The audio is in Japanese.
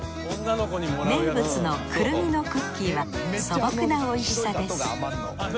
名物のくるみのクッキーは素朴なおいしさです。